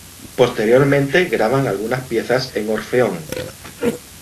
Posteriormente graban algunas piezas en Orfeón.